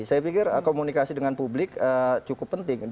saya pikir komunikasi dengan publik cukup penting